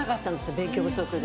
勉強不足で。